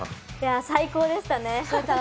最高でしたね。